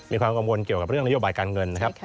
มีความกังวลเกี่ยวกับเรื่องนโยบายการเงินนะครับ